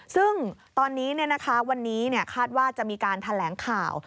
ซึ่งตอนนี้วันนี้คาดว่าจะมีการแถลงข่าว